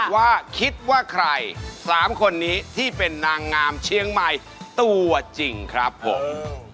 ว่าคิดว่าใคร๓คนนี้ที่เป็นนางงามเชียงใหม่ตัวจริงครับผม